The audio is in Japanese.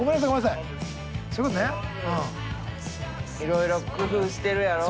いろいろ工夫してるやろ。